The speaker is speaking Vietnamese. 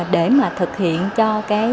để thực hiện cho